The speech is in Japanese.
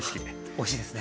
おいしいですね。